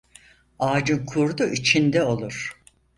Ağacın kurdu içinde olur